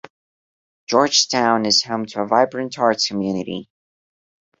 George Town is home to a vibrant arts community.